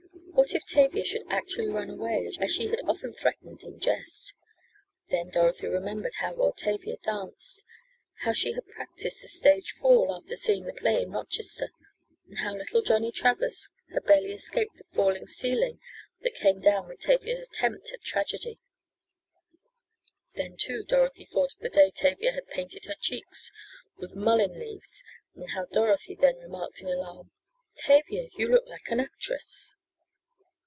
What if Tavia should actually run away as she had often threatened in jest! Then Dorothy remembered how well Tavia danced, how she had practiced the "stage fall" after seeing the play in Rochester, and how little Johnnie Travers had barely escaped the falling ceiling that came down with Tavia's attempt at tragedy. Then, too, Dorothy thought of the day Tavia had painted her cheeks with mullin leaves and how Dorothy then remarked in alarm: "Tavia, you look like an actress!"